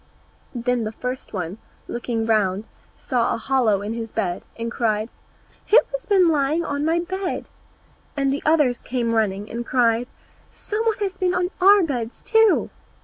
Then the first one, looking round, saw a hollow in his bed, and cried, "Who has been lying on my bed?" And the others came running, and cried, "Some one has been on our beds too!"